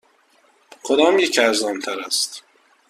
کدامیک ارزان تر است؟